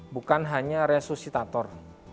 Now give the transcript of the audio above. bukan hanya resusitator